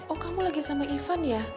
oh kamu lagi sama ivan ya